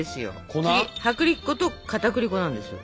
次薄力粉とかたくり粉なんですよ。